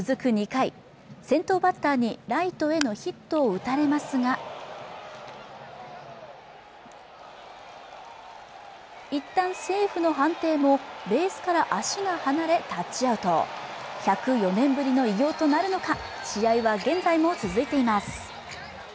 ２回先頭バッターにライトへのヒットを打たれますがいったんセーフの判定もベースから足が離れタッチアウト１０４年ぶりの偉業となるのか試合は現在も続いています